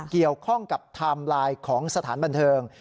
เกี่ยวข้องกับไทม์ไลน์ของสถานบันเทิง